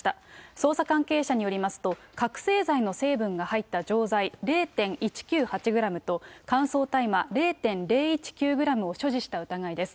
捜査関係者によりますと、覚醒剤の成分が入った錠剤０．１９８グラムと、乾燥大麻０．０１９グラムを所持した疑いです。